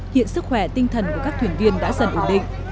hiện sức khỏe tinh thần của các thuyền viên đã dần ổn định